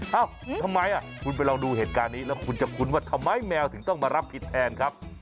เอ้าทำไมคุณไปลองดูเหตุการณ์นี้แล้วคุณจะคุ้นว่าทำไมแมวถึงต้องมารับผิดแทนครับ